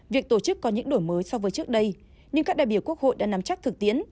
việc tổ chức có những đổi mới so với trước đây nhưng các đại biểu quốc hội đã nắm chắc thực tiễn